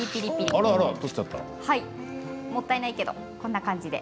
もったいないけどこんな感じで。